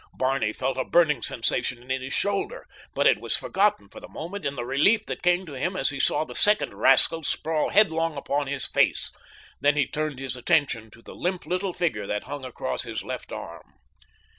Barney felt a burning sensation in his shoulder, but it was forgotten for the moment in the relief that came to him as he saw the second rascal sprawl headlong upon his face. Then he turned his attention to the limp little figure that hung across his left arm.